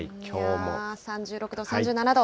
３６度、３７度。